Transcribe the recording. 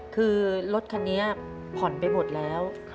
คือรถคันนี้ผ่อนไปหมดแล้ว